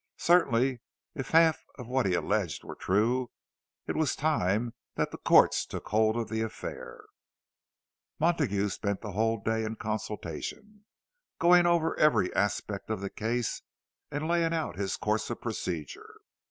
Certainly, if half of what he alleged were true, it was time that the courts took hold of the affair. Montague spent the whole day in consultation, going over every aspect of the case, and laying out his course of procedure.